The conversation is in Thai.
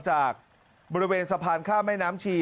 จากบริเวณสะพานข้ามแม่น้ำชี